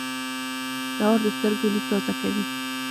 سهار د سترګو لید تازه کوي.